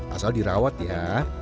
asal dirawat ya